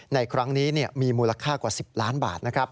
ในครั้งนี้มีมูลค่ากว่า๑๐ล้านบาทนะครับ